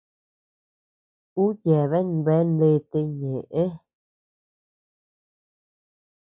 Ú yeabean bea ndete ñeʼë.